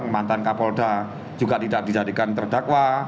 mantan kapolda juga tidak dijadikan terdakwa